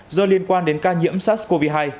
do liên quan đến ca nhiễm sars cov hai